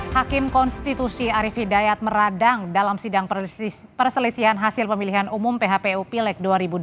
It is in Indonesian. hakim konstitusi arief hidayat meradang dalam sidang perselisihan hasil pemilihan umum phpu pileg dua ribu dua puluh